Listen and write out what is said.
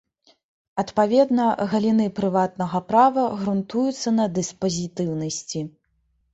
Адпаведна, галіны прыватнага права грунтуюцца на дыспазітыўнасці.